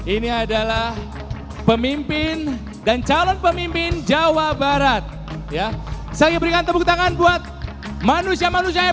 ini adalah pemimpin dan calon pemimpin jawa barat ya saya berikan tepuk tangan buat manusia manusia yang